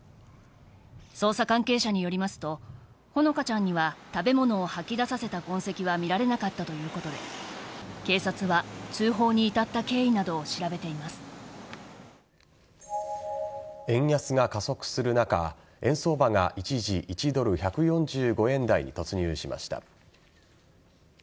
捜査関係者によりますとほのかちゃんには食べ物を吐き出させた痕跡は見られなかったということで警察は通報に至った経緯などを円安が加速する中円相場が一時１ドル１４５円台に突入しました。